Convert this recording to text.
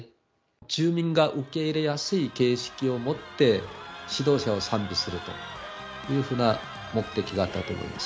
住民が受け入れやすい形式を持って、指導者を賛美するというふうな目的があったと思います。